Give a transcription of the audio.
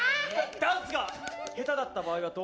ダンスが下手だった場合はどうなるんだよ？